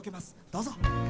どうぞ。